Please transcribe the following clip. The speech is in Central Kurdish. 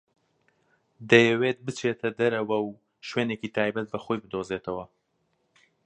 دەیەوێت بچێتە دەرەوە و شوێنێکی تایبەت بە خۆی بدۆزێتەوە.